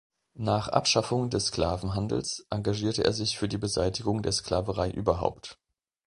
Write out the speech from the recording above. Nach Abschaffung des Sklavenhandels engagierte er sich für die Beseitigung der Sklaverei überhaupt.